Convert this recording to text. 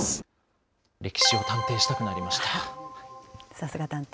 さすが探偵。